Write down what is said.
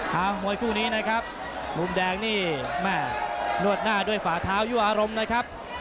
มวยคู่นี้นะครับมุมแดงนี่แม่นวดหน้าด้วยฝาเท้ายั่วอารมณ์นะครับ